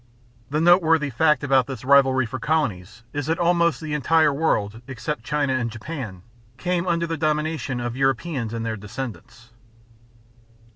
The noteworthy fact about this rivalry for colonies is that almost the entire world, except China and Japan, came under the domination of Europeans and their descendants.